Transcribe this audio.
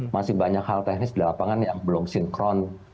masih banyak hal teknis di lapangan yang belum sinkron